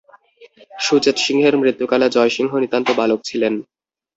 সুচেতসিংহের মৃত্যুকালে জয়সিংহ নিতান্ত বালক ছিলেন।